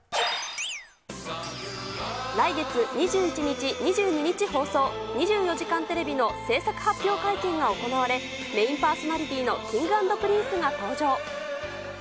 来月２１日、２２日放送、２４時間テレビの制作発表会見が行われ、メインパーソナリティーのＫｉｎｇ＆Ｐｒｉｎｃｅが登場。